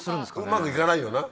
うまくいかないよな。